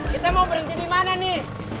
kita mau berhenti di mana nih